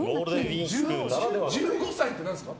１５歳ってなんですか？